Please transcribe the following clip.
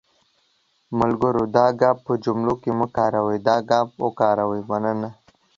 ملګرو دا گ په جملو کې مه کاروٸ، دا ګ وکاروٸ.مننه